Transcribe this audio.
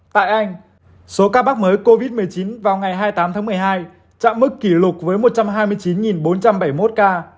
tại anh số ca mắc mới covid một mươi chín vào ngày hai mươi tám tháng một mươi hai chạm mức kỷ lục với một trăm hai mươi chín bốn trăm bảy mươi một ca